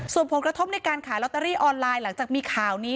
ส่วนผลกระทบในการขายลอตเตอรี่ออนไลน์หลังจากมีข่าวนี้